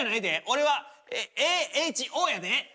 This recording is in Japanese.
俺は「Ａ」「Ｈ」「Ｏ」やで！